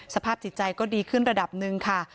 สภาพจิตใจก็ดีขึ้นระดับหนึ่งค่ะ